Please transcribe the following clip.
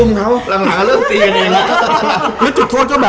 มันมีโอกาสเลยนะ